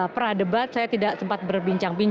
peradebat saya tidak sempat berbincang